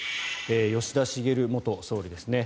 吉田茂元総理ですね。